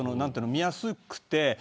見やすくて。